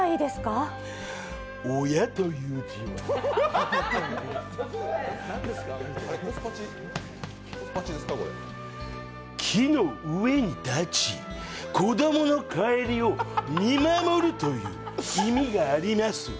親という字は、木の上に立ち子供の帰りを見守るという意味があります。